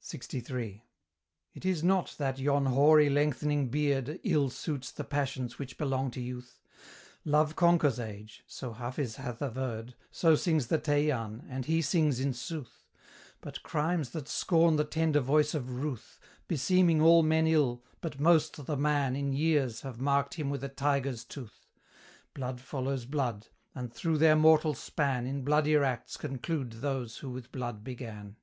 LXIII. It is not that yon hoary lengthening beard Ill suits the passions which belong to youth: Love conquers age so Hafiz hath averred, So sings the Teian, and he sings in sooth But crimes that scorn the tender voice of ruth, Beseeming all men ill, but most the man In years, have marked him with a tiger's tooth: Blood follows blood, and through their mortal span, In bloodier acts conclude those who with blood began.